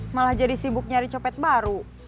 malah jadi sibuk nyari copet baru